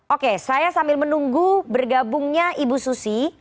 oke saya sambil menunggu bergabungnya ibu susi